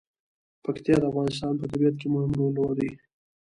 پکتیا د افغانستان په طبیعت کې مهم رول لري.